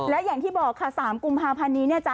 และอย่างที่บอกค่ะ๓กุมหาพรรณี่เนี่ยจ๊ะ